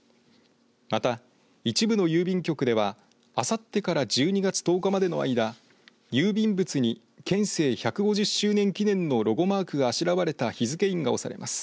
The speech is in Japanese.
また、一部の郵便局ではあさってから１２月１０日までの間郵便物に県政１５０周年記念のロゴマークがあしらわれた日付印が押されます。